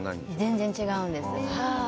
全然違うんです。